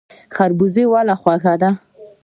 خربوزه ولې خوږه ده؟